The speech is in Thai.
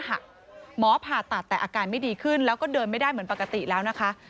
หมอผ่าตัดแต่อาการไม่ดีขึ้นแล้วก็เดินไม่ได้เหมือนปกติแล้วนะคะ